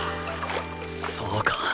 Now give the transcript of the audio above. そうか。